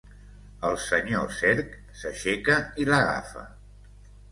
El senyor Cerc s'aixeca i l'agafa.